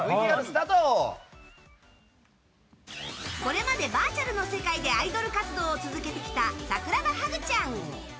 これまでバーチャルの世界でアイドル活動を続けてきた桜葉ハグちゃん。